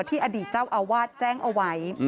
อดีตเจ้าอาวาสแจ้งเอาไว้